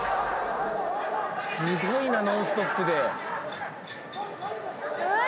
すごいなノンストップで。